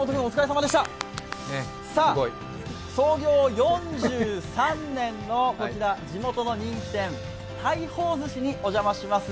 創業４３年のこちら、地元の人気店、大豊寿司にお邪魔します。